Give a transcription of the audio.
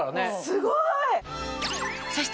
すごい！